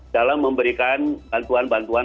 dalam memberikan bantuan bantuan